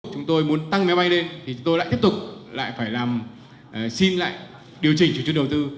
chúng tôi muốn tăng máy bay lên thì chúng tôi lại tiếp tục lại phải làm xin lại điều chỉnh chủ chức đầu tư